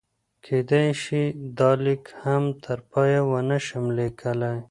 کېدای شي دا لیک هم تر پایه ونه شم لیکلی.